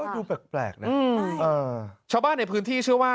ดูแปลกนะชาวบ้านในพื้นที่เชื่อว่า